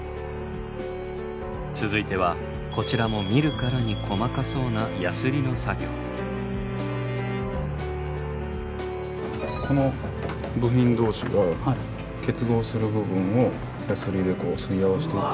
続いてはこちらも見るからに細かそうなこの部品同士が結合する部分をヤスリですり合わせていってるんですけど。